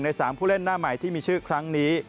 ๓ผู้เล่นหน้าใหม่ที่มีชื่อครั้งนี้